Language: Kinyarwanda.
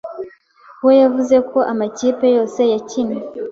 we yavuze ko amakipe yose yakinnye